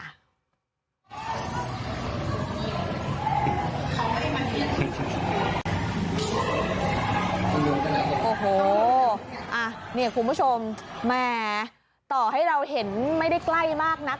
โอ้โหเนี่ยคุณผู้ชมแหมต่อให้เราเห็นไม่ได้ใกล้มากนัก